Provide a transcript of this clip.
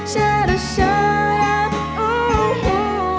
ชาด้าชาด้าโอ้โห